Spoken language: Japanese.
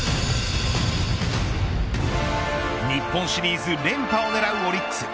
日本シリーズ連覇を狙うオリックス。